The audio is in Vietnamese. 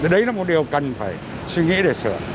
đấy là một điều cần phải suy nghĩ để sửa